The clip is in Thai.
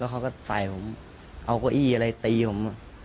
เขาก็ใส่ผมเอาเก้าอี้อะไรตีผม